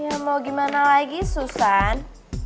ya mau gimana lagi susan